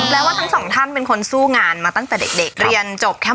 แล้วว่าทั้งสองท่านเป็นคนสู้งานมาตั้งแต่เด็กเรียนจบแค่